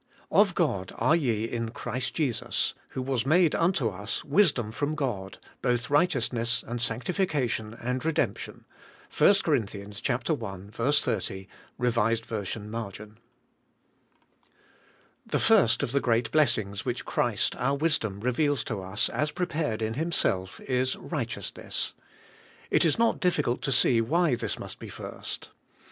'Of God are ye in Christ Jesus, who was made unto us wisdom from God, both righteousness and sanctification, and redemption. '— 1 Cor. i. 30 (R. V. marg.). THE first of the great blessings which Christ our wisdom reveals to us as prepared in Himself, is — Kighteousness. It is not difficult to see why this must be first.